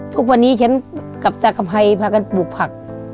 ทุกวันนี้ฉันกับตากำไพรพากันปลูกผัก